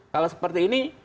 kalau seperti ini